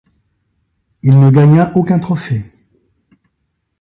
Il ne gagna aucun trophée.